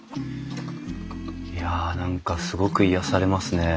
いや何かすごく癒やされますね。